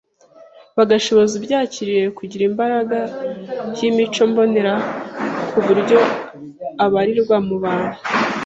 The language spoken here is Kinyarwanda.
bigashoboza ubyakiriye kugira imbaraga y’imico mbonera ku buryo abarirwa mu bantu